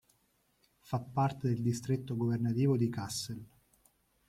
Fa parte del distretto governativo di Kassel.